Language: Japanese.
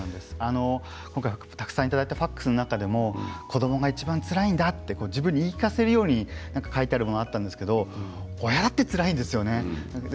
今回たくさんいただいたファックスの中でも子どもがいちばんつらいんだと自分に言い聞かせるように書いているものがありましたが親だってつらいんです。